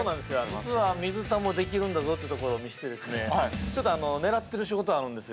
実は、水田もできるんだぞというところを見せてですね、ちょっと狙っている仕事があるんですよ。